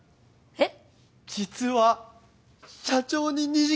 えっ